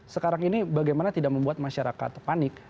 sekarang ini bagaimana tidak membuat masyarakat panik